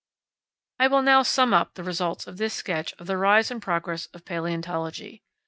I will now sum up the results of this sketch of the rise and progress of palaeontology.